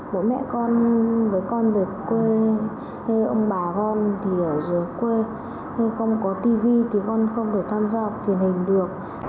mỗi mẹ con với con về quê hay ông bà con thì ở dưới quê hay không có tivi thì con không thể tham gia học truyền hình được